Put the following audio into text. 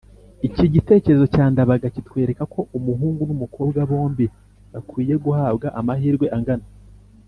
iki gitekerezo cya ndabaga kitwereka ko umuhungu n’umukobwa bombi bakwiye guhabwa amahirwe angana